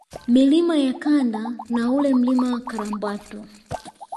Milima ya Kanda na ule Mlima Karambatu